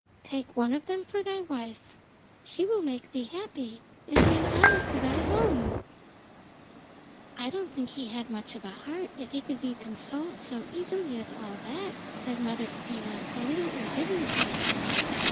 Take one of them for thy wife; she will make thee happy and be an honour to thy home.' 'I don't think he had much of a heart if he could be consoled so easily as all that,' said Mother Stina, a little indignantly.